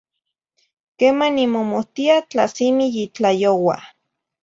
Quema nimomohtia tla simi yitlayoua